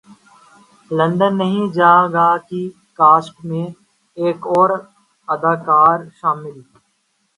London نہیں جاں گا کی کاسٹ میں ایک اور اداکار شامل